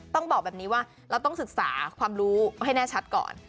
ต้องบอกแบบนี้ว่าเราต้องศึกษาความรู้ให้แน่ชัดก่อน